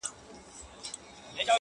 له عطاره دوکان پاته سو هک پک سو.!